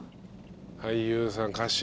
俳優さん歌手。